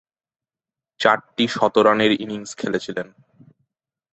চারটি শতরানের ইনিংস খেলেছিলেন।